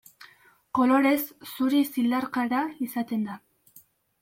Kolorez zuri zilarkara izaten da.